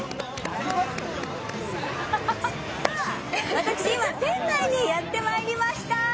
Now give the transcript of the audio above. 私、今、店内にやってまいりました。